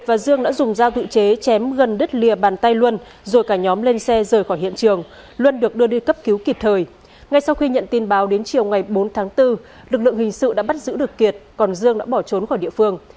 trong ngày bốn tháng bốn lực lượng hình sự đã bắt giữ được kiệt còn dương đã bỏ trốn khỏi địa phương